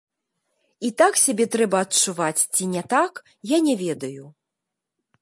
І так сябе трэба адчуваць ці не так, я не ведаю.